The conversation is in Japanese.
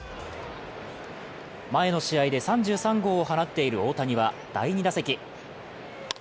前の試合で３３号を放っている大谷は第２打席。